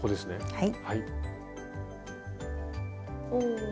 はい。